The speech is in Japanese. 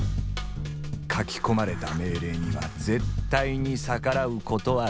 書き込まれた命令には絶対に逆らうことはできない。